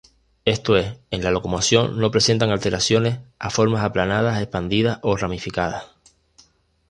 Esto es, en la locomoción no presentan alteraciones a formas aplanadas expandidas o ramificadas.